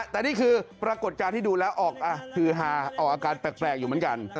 แต่นี่คือปรากฏการณ์ที่ดูแล้วออกฮือฮาออกอาการแปลกอยู่เหมือนกัน